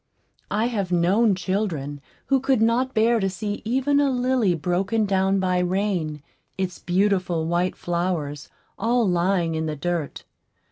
I have known children who could not bear to see even a lily broken down by rain, its beautiful white flowers all lying in the dirt.